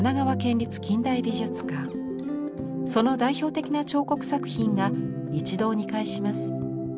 その代表的な彫刻作品が一堂に会します。